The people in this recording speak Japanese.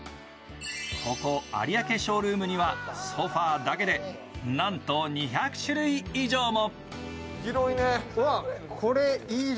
ここ有明ショールームにはソファーだけでなんと２００種類以上も。